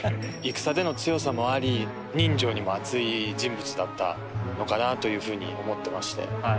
戦での強さもあり人情にもあつい人物だったのかなというふうに思ってまして。